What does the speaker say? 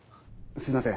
すいません